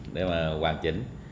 để mà hoàn chỉnh